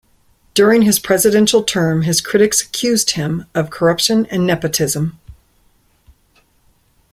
During his presidential term, his critics accused him of corruption and nepotism.